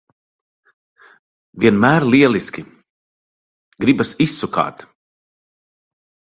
Vienmēr lieliski! Gribas izsukāt.